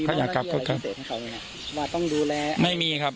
เขาอยากกลับก็กลับให้เขานะครับว่าต้องดูแลไม่มีครับ